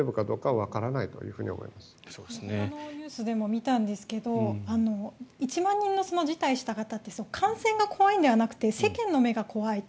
ほかのニュースでも見たんですけど１万人の辞退した方って感染が怖いのではなくて世間の目が怖いと。